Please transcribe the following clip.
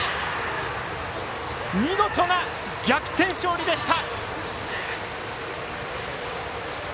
見事な逆転勝利でした！